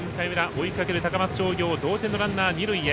追いかける高松商業同点のランナー、二塁へ。